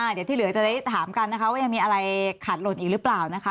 เดี๋ยวที่เหลือจะได้ถามกันนะคะว่ายังมีอะไรขาดหล่นอีกหรือเปล่านะคะ